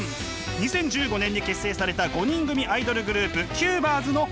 ２０１５年に結成された５人組アイドルグループＣＵＢＥＲＳの末吉９